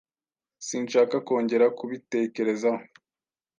Sinshaka kongera kubitekerezaho.